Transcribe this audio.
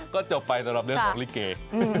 ก็จบไปสำหรับเรื่องของลิเก